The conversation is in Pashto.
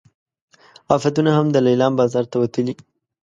عفتونه هم د لیلام بازار ته وتلي.